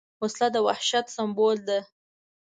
وسله د وحشت سمبول ده